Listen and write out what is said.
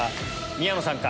宮野さんか？